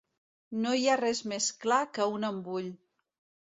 No hi ha res més clar que un embull.